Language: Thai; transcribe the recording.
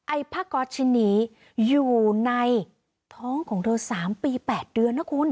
ผ้าก๊อตชิ้นนี้อยู่ในท้องของเธอ๓ปี๘เดือนนะคุณ